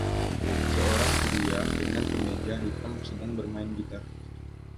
Seorang pria dengan kemeja hitam sedang bermain gitar.